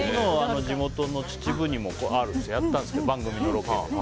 地元の秩父にもあってやったんですけど番組のロケで。